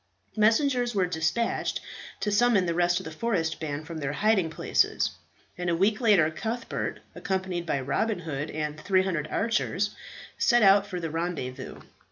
Messengers were despatched to summon the rest of the forest band from their hiding places, and a week later Cuthbert, accompanied by Robin Hood and 300 archers, set out for the rendezvous.